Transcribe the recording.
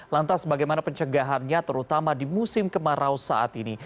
lantas bagaimana pencegahannya terutama di musim kemarau saat ini